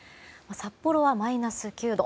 札幌はマイナス９度。